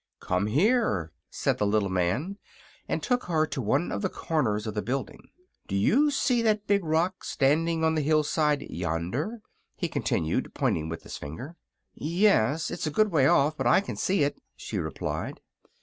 "Come here," said the little man, and took her to one of the corners of the building. "Do you see that big rock standing on the hillside yonder?" he continued, pointing with his finger. "Yes; it's a good way off, but I can see it," she replied.